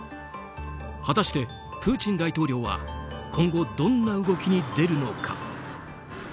果たして、プーチン大統領は今後どんな動きに出るのか。